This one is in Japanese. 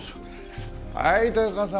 はい豊川さん